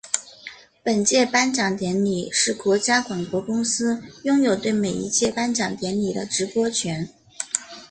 本届颁奖典礼是国家广播公司拥有对每一届颁奖典礼的直播权。